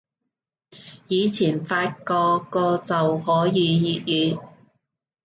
以前發個個就可以粵語